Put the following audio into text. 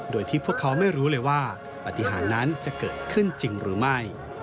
โดยที่พวกเขาไม่รู้เลยว่าปฏิหารนั้นจะเกิดขึ้นจริงหรือไม่